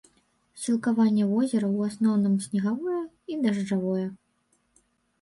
Сілкаванне возера ў асноўным снегавое і дажджавое.